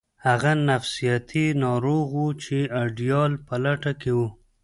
هغه یو نفسیاتي ناروغ و چې د ایډیال په لټه کې و